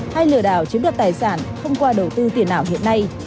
hay lừa đảo chiếm đoạt tài sản thông qua đầu tư tiền ảo hiện nay